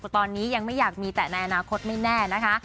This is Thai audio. ตอนนี้ยังไม่อยากมีแต่ในอนาคตไม่แน่นะคะ